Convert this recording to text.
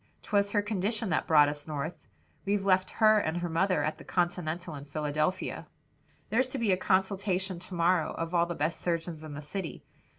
'Twas her condition that brought us North. We've left her and her mother at the Continental in Philadelphia. "There's to be a consultation to morrow of all the best surgeons in the city.